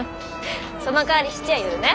そのかわり質屋寄るね。